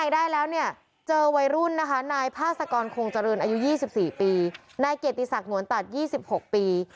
ใดเกติศักดิ์โหนวนตัด๒๖ปี